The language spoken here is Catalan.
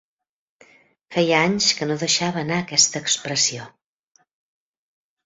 Feia anys que no deixava anar aquesta expressió.